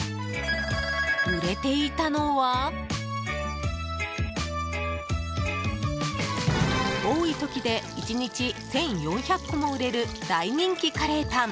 売れていたのは多い時で１日１４００個も売れる大人気カレーパン。